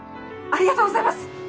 ありがとうございます！